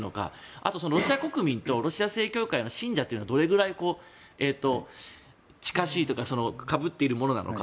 あと、ロシア国民とロシア正教会の信者というのはどれくらい近しいというかかぶっているものなのか。